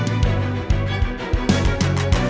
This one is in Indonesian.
menjadi atlet utama maundi